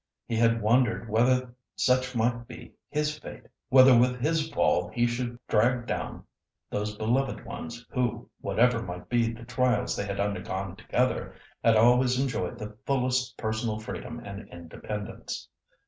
He had wondered whether such might be his fate, whether with his fall he should drag down those beloved ones, who, whatever might be the trials they had undergone together, had always enjoyed the fullest personal freedom and independence.